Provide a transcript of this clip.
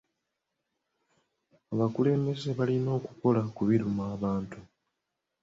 Abakulembeze balina okukola ku biruma abantu.